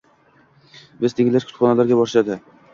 Biz tengilar kutubxonalarga borishadi